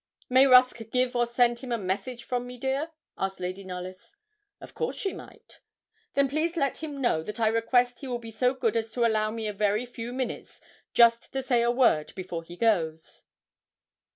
'May Rusk give or send him a message from me, dear?' asked Lady Knollys. Of course she might. 'Then please let him know that I request he will be so good as to allow me a very few minutes, just to say a word before he goes.'